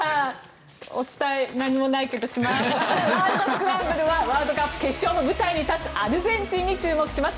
スクランブルはワールドカップ決勝の舞台に立つアルゼンチンに注目します。